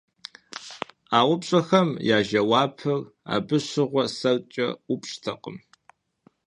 А упщӀэхэм я жэуапыр абы щыгъуэ сэркӀэ ӀупщӀтэкъым.